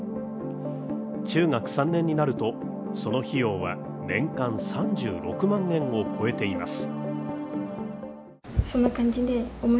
中学３年になると、その費用は年間３６万円を超えています。